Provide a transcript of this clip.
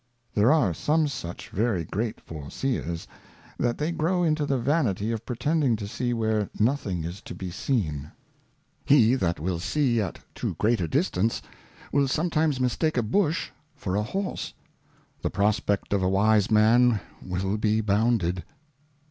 There are some such very great Foreseers, that they grow into the Vanity of pretending to see where nothing is to be seen. He and Reflections. 247 He that will see at too great a distance, will sometimes mis take a Bush for a Horse : The Prospect of a wise Man will be bounded.